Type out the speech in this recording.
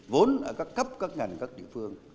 vốn ở các cấp các ngành các dự phương